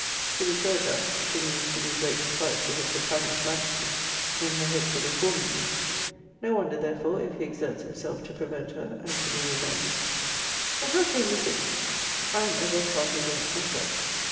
To be sure, Jack, she means to do great despight to his Satanic majesty in her hopes of reforming me. No wonder, therefore, if he exerts himself to prevent her, and to be revenged. But how came this in! I am ever of party against myself.